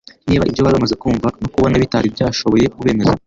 Niba ibyo bari bamaze kumva no kubona bitari byashoboye kubemeza,